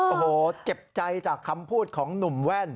โอ้โหเจ็บใจจากคำพูดของหนุ่มแว่น